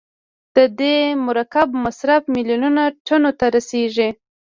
د دې مرکب مصرف میلیون ټنو ته رسیږي.